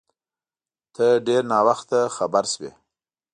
ته ډیر ناوخته خبر سوی